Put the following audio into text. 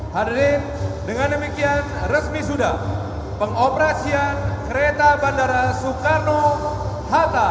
hadirin dengan demikian resmi sudah pengoperasian kereta bandara soekarno hatta